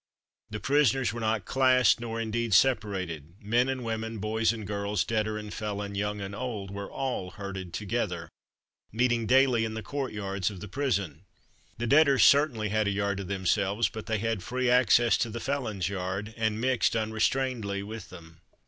The prisoners were not classed, nor indeed, separated; men and women, boys and girls, debtor and felon, young and old, were all herded together, meeting daily in the courtyards of the prison. The debtors certainly had a yard to themselves, but they had free access to the felon's yard, and mixed unrestrainedly with them.